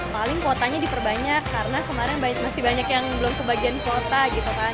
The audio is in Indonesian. paling kuotanya diperbanyak karena kemarin masih banyak yang belum kebagian kuota gitu kan